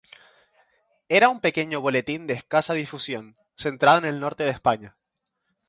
Era un pequeño boletín de escasa difusión, centrado en el norte de España.